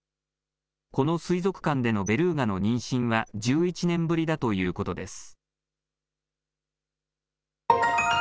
この水族館でのベルーガの妊娠は１１年ぶりだということです。